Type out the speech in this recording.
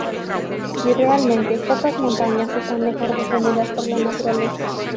Y realmente, pocas montañas están mejor defendidas por la naturaleza.